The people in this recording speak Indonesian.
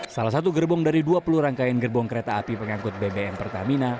salah satu gerbong dari dua puluh rangkaian gerbong kereta api pengangkut bbm pertamina